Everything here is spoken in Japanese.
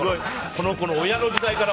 その子の親の時代から。